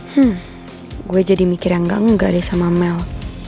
hmm gue jadi mikir yang gak nge nggali sama mel